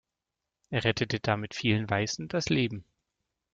Er rettete damit vielen Weißen das Leben.